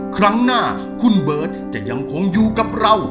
ครั้งหน้าคุณเบิร์ตจะยังคงอยู่กับเรา